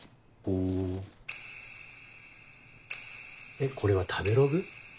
えっこれは食べログ？